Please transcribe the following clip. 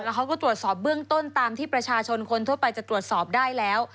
แล้วเขาก็ตรวจสอบเบื้องต้นตามที่ประชาชนคนทั่วไปจะตรวจสอบได้แล้ว